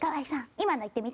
今の言ってみて。